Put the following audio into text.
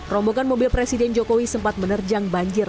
rombongan mobil presiden jokowi sempat menerjang banjir